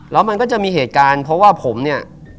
แล้วมันก็จะมีเหตุการณ์เพราะว่าผมเนี่ย